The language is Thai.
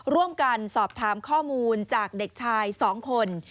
ร่วมกันสอบถามข้อมูลจากเด็กชาย๒คน